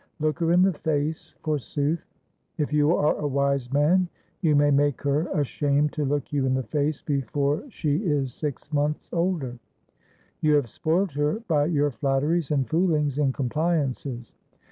Look her in the face, forsooth ! If you are a wise man, you may make her ashamed to look you in the face before she is six months older. You have spoilt her by your flatteries and foolings and compliances.